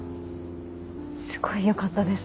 すごいよかったです。